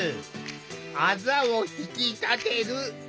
あざを引き立てる。